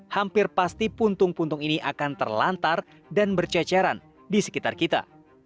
hampir pasti puntung puntung ini akan terlantar dan berceceran di sekitar kita